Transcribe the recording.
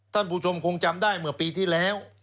ท่านผู้ชมคงจำได้เมื่อปีที่แล้ว